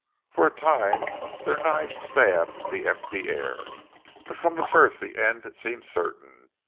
For a time their knives stabbed the empty air, but from the first the end seemed certain.